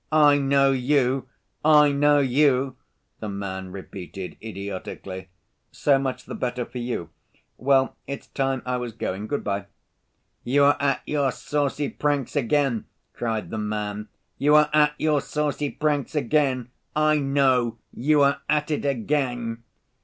"I know you! I know you!" the man repeated idiotically. "So much the better for you. Well, it's time I was going. Good‐by!" "You are at your saucy pranks again?" cried the man. "You are at your saucy pranks again? I know, you are at it again!"